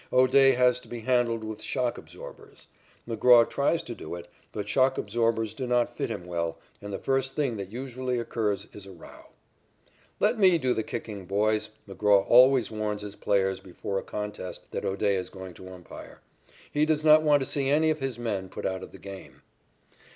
O'Day has to be handled with shock absorbers. McGraw tries to do it, but shock absorbers do not fit him well, and the first thing that usually occurs is a row. "Let me do the kicking, boys," McGraw always warns his players before a contest that O'Day is going to umpire. He does not want to see any of his men put out of the game.